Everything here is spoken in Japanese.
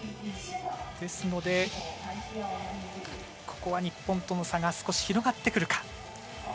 ですのでここは日本との差が少し広がってくるか。